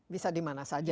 bisa dimana saja